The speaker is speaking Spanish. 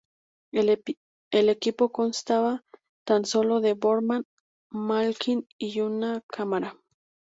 El equipo constaba tan solo de Boorman, Malkin y un cámara.